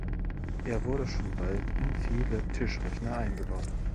Er wurde schon bald in viele Tischrechner eingebaut.